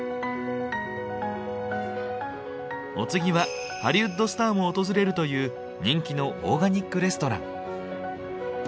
お次はハリウッドスターも訪れるという人気のオーガニックレストラン。